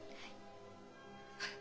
はい。